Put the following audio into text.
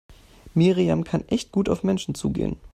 Miriam kann echt gut auf Menschen zugehen.